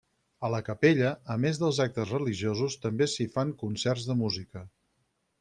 A la capella, a més dels actes religiosos, també s'hi fan concerts de música.